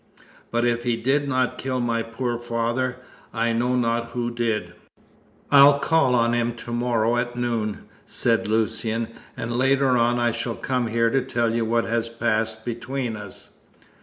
But if he did not kill my poor father, I know not who did." "I'll call on him to morrow at noon," said Lucian, "and later on I shall come here to tell you what has passed between us."